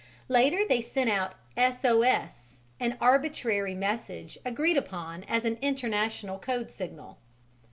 Later, they sent out "S.O.S.," an arbitrary message agreed upon as an international code signal.